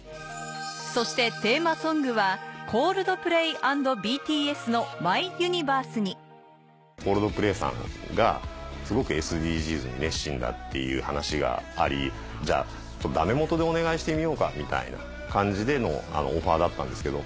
そしてテーマソングはＣｏｌｄｐｌａｙ×ＢＴＳの『ＭｙＵｎｉｖｅｒｓｅ』にＣｏｌｄｐｌａｙさんがすごくＳＤＧｓに熱心だっていう話がありじゃあダメもとでお願いしてみようかみたいな感じでのオファーだったんですけど。